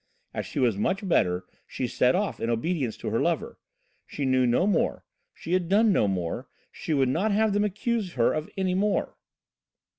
As she was much better she set off in obedience to her lover. She knew no more; she had done no more; she would not have them accuse her of any more.